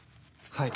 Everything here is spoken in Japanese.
はい。